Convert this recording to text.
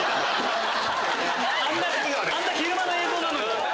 あんな昼間の映像なのに！